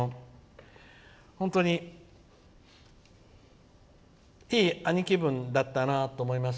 本当にいい兄貴分だったなと思います。